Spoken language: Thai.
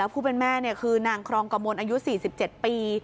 ผู้เป็นแม่คือนางครองกระมวลอายุ๔๗ปี